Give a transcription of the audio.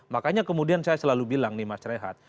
makanya kemudian saya selalu bilang nih mas rehat